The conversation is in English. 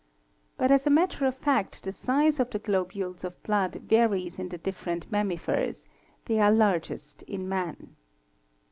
But as a matter of fact the size of the globules of blood varies in the different mammifers; they are largest in man.